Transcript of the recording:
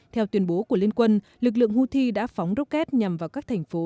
theo tuyên bố của liên quân lực lượng houthi đã phóng rocket nhằm vào các thành phố